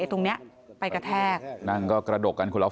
ตรงเนี้ยไปกระแทกนั่งก็กระดกกันคนละ